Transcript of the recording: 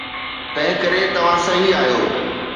تنهنڪري توهان صحيح آهيو.